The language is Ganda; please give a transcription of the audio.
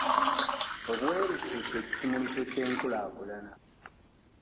Obwerufu kye kisumuluzo ky'enkulaakulana.